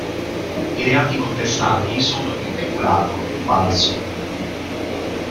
I reati contestati sono di peculato e falso.